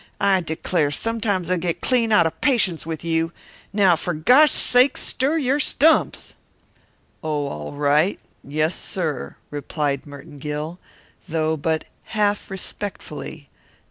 I declare, sometimes I git clean out of patience with you! Now, for gosh's sake, stir your stumps!" "Oh, all right yes, sir," replied Merton Gill, though but half respectfully.